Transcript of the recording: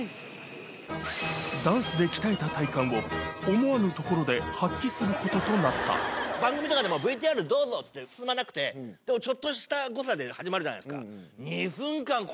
思わぬところで発揮することとなった番組とかでも「ＶＴＲどうぞ」って進まなくてでもちょっとした誤差で始まるじゃないですか。